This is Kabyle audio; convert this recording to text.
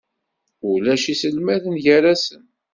Ulac iselmaden gar-asen.